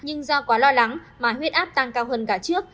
nhưng do quá lo lắng mà huyết áp tăng cao hơn cả trước